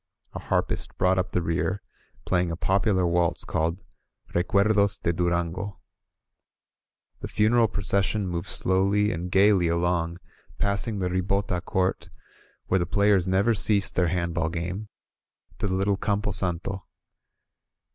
A harpist brought up the rear, playing a popular waltz called Recv^do8 de Durango.*^ The funeral procession moved slowly and gaily along, passing the rihota court, where the players never ceased their handball game, 56 "QUIEN VIVE?" to the little Campo Santo.